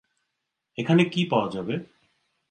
এখানে কি পাওয়া যাবে?